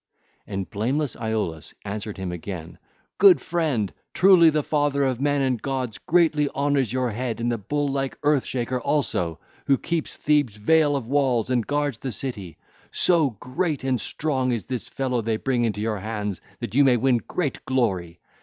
(ll. 102 114) And blameless Iolaus answered him again: 'Good friend, truly the father of men and gods greatly honours your head and the bull like Earth Shaker also, who keeps Thebe's veil of walls and guards the city,—so great and strong is this fellow they bring into your hands that you may win great glory.